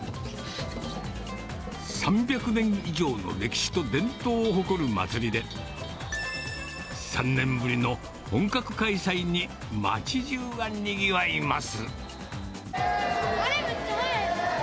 ３００年以上の歴史と伝統を誇る祭りで、３年ぶりの本格開催に、街じゅうがにぎわいます。